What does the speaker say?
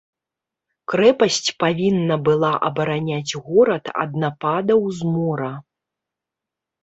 Крэпасць павінна была абараняць горад ад нападаў з мора.